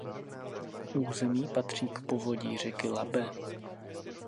Území patří k povodí řeky Labe.